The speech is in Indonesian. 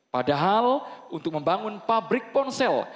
padahal untuk membangun pabrik ponsel